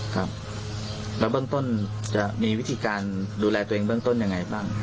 ครับแล้วเบื้องต้นจะมีวิธีการดูแลตัวเองเบื้องต้นยังไงบ้าง